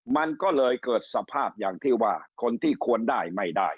มันก็เลยเกิดสภาพอย่างที่ว่าคนที่ควรได้ไม่ได้